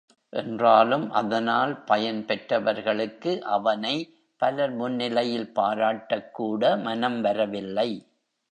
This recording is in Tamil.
என்றாலும் அதனால் பயன் பெற்றவர்களுக்கு அவனை பலர் முன்னிலையில் பாராட்டக் கூட மனம் வரவில்லை.